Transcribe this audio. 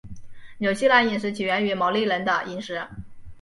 纽西兰饮食起源于毛利人的饮食。